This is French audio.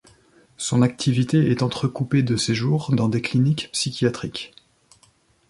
Son activité est entrecoupée de séjours dans des cliniques psychiatriques.